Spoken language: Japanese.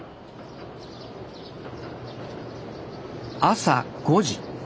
朝５時。